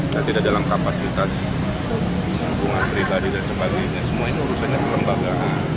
saya tidak dalam kapasitas hubungan pribadi dan sebagainya semua ini urusannya kelembagaan